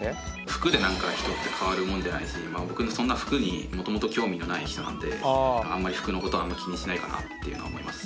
服で人って変わるもんじゃないし僕もそんな服にもともと興味がない人なんであんまり服のことは気にしないかなっていうのは思います。